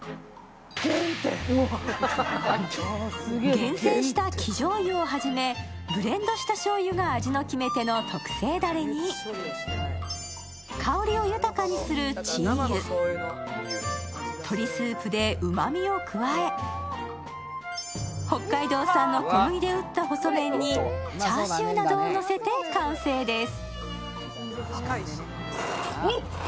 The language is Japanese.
厳選した生じょうゆをはじめブレンドしたしょうゆが味の決め手の特製ダレに香りを豊かにするチー油、鶏スープでうまみを加え北海道産の小麦で打った細麺にチャーシューなどをのせて完成です。